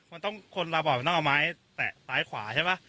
มันต้องคนระบอบมันต้องเอาไม้แตะซ้ายขวาใช่ป่ะ